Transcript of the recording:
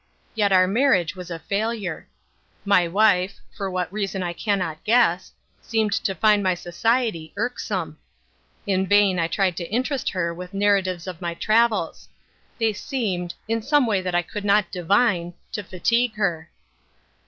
Yet our marriage was a failure. My wife for what reason I cannot guess seemed to find my society irksome. In vain I tried to interest her with narratives of my travels. They seemed in some way that I could not divine to fatigue her.